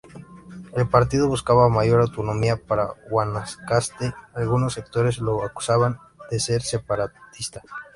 El partido buscaba mayor autonomía para Guanacaste, algunos sectores lo acusaban de ser separatista.